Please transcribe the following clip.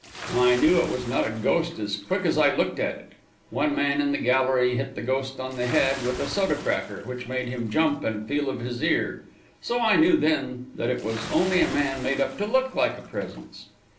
I knew it was not a ghost as quick as I looked at it. One man in the gallery hit the ghost on the head with a soda cracker, which made him jump and feel of his ear; so I knew then that it was only a man made up to look like a presence.